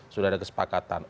sudah ada kesepakatan